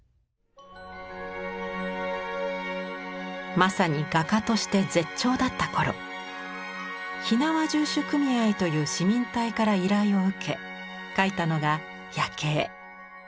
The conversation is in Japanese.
まさに画家として絶頂だった頃火縄銃手組合という市民隊から依頼を受け描いたのが「夜警」。